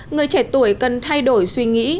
người trẻ tuổi cần thay đổi suy nghĩ